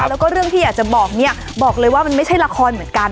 แล้วก็เรื่องที่อยากจะบอกเนี่ยบอกเลยว่ามันไม่ใช่ละครเหมือนกัน